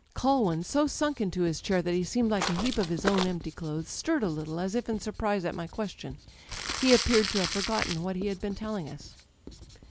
'' Culwin, so sunk into his chair that he seemed like a heap of his own empty clothes, stirred a little, as if in surprise at my question. He appeared to have half forgotten what he had been telling us.